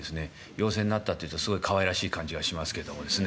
「ようせいになった」って言うとすごいかわいらしい感じがしますけどもですね